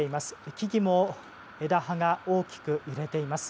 木々も枝葉が大きく揺れています。